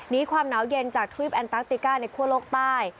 ความหนาวเย็นจากทริปแอนตาร์ติก้าในคั่วโลกใต้